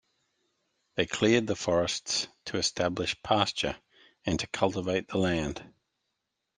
They cleared the forests to establish pasture and to cultivate the land.